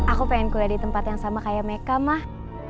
aku pengen kuliah di tempat yang sama kayak meka mah